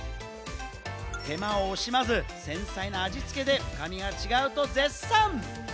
手間を惜しまず繊細な味つけで深みが違うと絶賛。